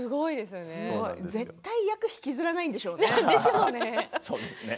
絶対に役を引きずらないんでしょうね。